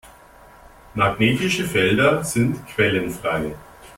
Magnetische Felder sind quellenfrei.